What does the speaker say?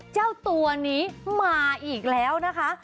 เจ้าตัวนี้มาอีกแล้วนะคะ